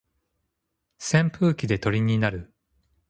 扇風機で鳥になる